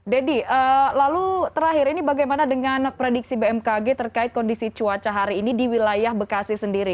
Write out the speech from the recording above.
dedy lalu terakhir ini bagaimana dengan prediksi bmkg terkait kondisi cuaca hari ini di wilayah bekasi sendiri